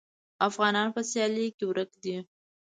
افغانان په سیالۍ کې ورک دي.